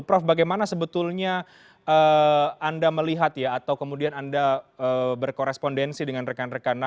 prof bagaimana sebetulnya anda melihat ya atau kemudian anda berkorespondensi dengan rekan rekan